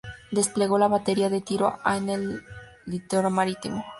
Desplegó la Batería de Tiro A en el litoral marítimo.